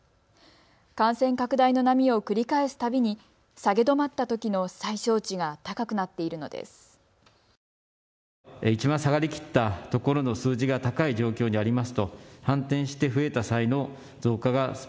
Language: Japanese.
感染拡大の波を繰り返すたびに下げ止まったときの最小値が高くなっているのです。